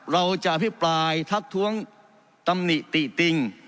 เราจะอภิปรายทักท้วงตำหนิติติติง